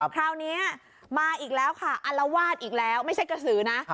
คราวนี้มาอีกแล้วค่ะอลวาดอีกแล้วไม่ใช่กระสือนะ